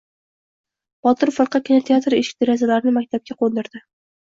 Botir firqa kinoteatr eshik-derazalarini maktabga qo‘ndirdi.